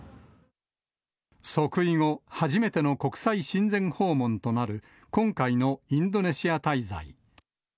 即位後初めての国際親善訪問となる、今回のインドネシア滞在。